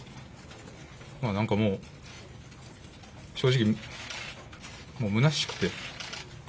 なんかもう、正直、もうむなしくて。